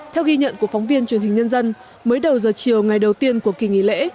theo ghi nhận của phóng viên truyền hình nhân dân mới đầu giờ chiều ngày đầu tiên của kỳ nghỉ lễ